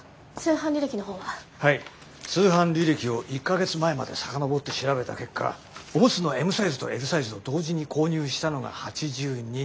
通販履歴を１か月前まで遡って調べた結果オムツのＭサイズとＬサイズを同時に購入したのが８２人。